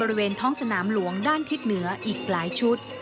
บริเวณท้องสนามหลวงด้านทิศเหนืออีกหลายชุด